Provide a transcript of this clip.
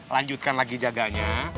lanjutkan lagi jaganya